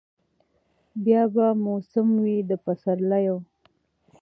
بیا به موسم وي د پسرلیو